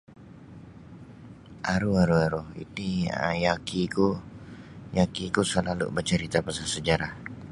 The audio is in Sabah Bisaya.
Aru aru iti um yaki ku yaki ku salalu bacarita pasal sejarah.